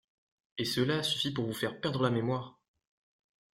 Et cela a suffi pour vous faire perdre la mémoire !